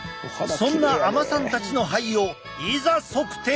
そんな海女さんたちの肺をいざ測定！